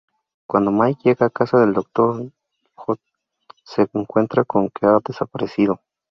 Cuando Mike llega a casa del Dr. J, se encuentra con que ha desaparecido.